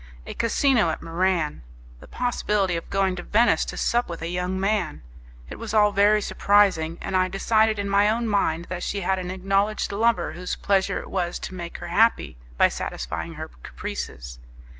A casino at Muran! the possibility of going to Venice to sup with a young man! It was all very surprising, and I decided in my own mind that she had an acknowledged lover whose pleasure it was to make her happy by satisfying her caprices.